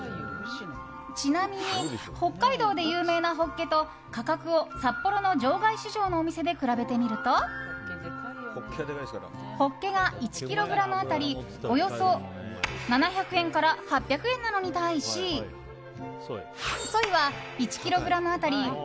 ちなみに北海道で有名なホッケと価格を札幌の場外市場のお店で比べてみるとホッケが１ｋｇ当たりおよそ７００円から８００円なのに対しソイは１ｋｇ当たり